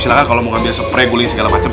silahkan kalau mau ambil spray guling segala macam